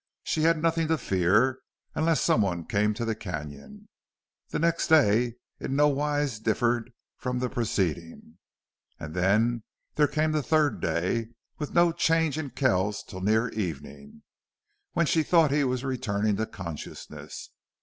She had nothing to fear, unless someone came to the canon. The next day in no wise differed from the preceding. And then there came the third day, with no change in Kells till near evening, when she thought he was returning to consciousness.